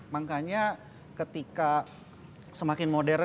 makanya ketika semakin modern